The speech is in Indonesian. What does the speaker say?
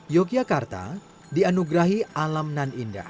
yogyakarta dianugerahi alam nan indah